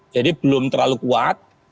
jadi belum terlalu kuat